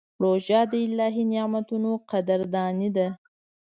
روژه د الهي نعمتونو قدرداني ده.